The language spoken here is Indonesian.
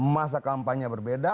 masa kampanye berbeda